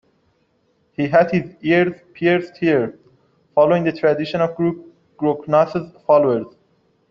He had his ears pierced here, following the tradition of Guru Goraknath's followers.